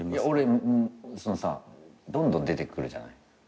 俺そのさどんどん出てくるじゃない。